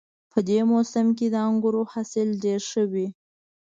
په دې موسم کې د انګورو حاصل ډېر ښه وي